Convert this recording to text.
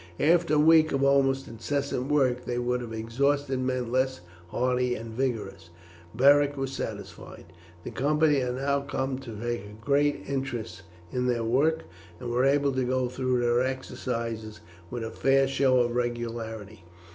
After a week of almost incessant work that would have exhausted men less hardy and vigorous, Beric was satisfied. The company had now come to take great interest in their work, and were able to go through their exercises with a fair show of regularity.